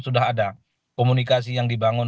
sudah ada komunikasi yang dibangun